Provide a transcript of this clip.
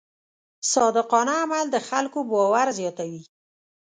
صادقانه عمل د خلکو باور زیاتوي.